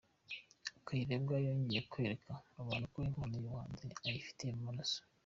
Kayirebwa yongeye kwereka abantu ko impano y’ubuhanzi ayifite mu maraso.